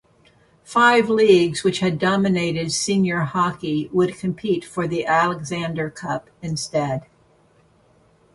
Five leagues which had dominated senior hockey would compete for the Alexander Cup instead.